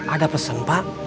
ada pesan pak